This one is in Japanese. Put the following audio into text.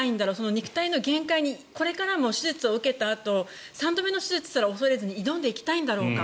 肉体の限界にこれからも手術を受けたあと３度目の手術すら恐れずに行きたいのだろうか